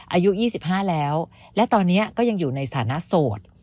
อายุ๒๕แล้วและตอนนี้ก็ยังอยู่ในฐานะโสด